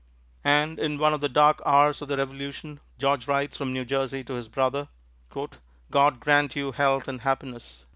And in one of the dark hours of the Revolution, George writes from New Jersey to this brother: "God grant you health and happiness.